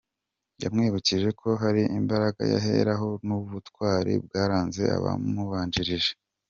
Yamwibukije ko hari imbaraga yaheraho n’ubutwari bwaranze abamubanjirije.